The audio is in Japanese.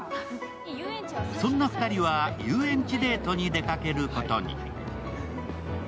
そんな２人は遊園地デートに出かけることに。